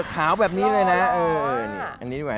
ขาวแบบนี้เลยนะ